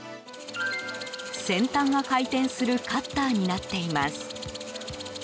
先端が回転するカッターになっています。